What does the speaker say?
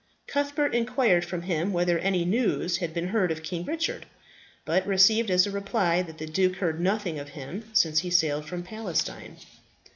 Cuthbert inquired from him whether any news had been heard of King Richard? but received as a reply that the duke had heard nothing of him since he sailed from Palestine.